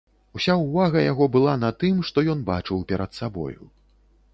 Уся ўвага яго была на тым, што ён бачыў перад сабою.